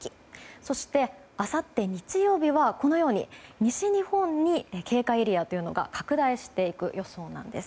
そして、あさって日曜日は西日本に警戒エリアが拡大していく予想なんです。